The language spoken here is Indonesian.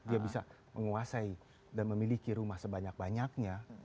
dia bisa menguasai dan memiliki rumah sebanyak banyaknya